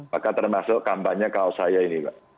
maka termasuk kampanye kaos saya ini pak